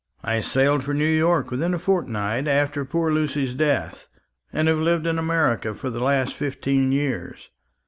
I sailed for New York within a fortnight after poor Lucy's death, and have lived in America for the last fifteen years.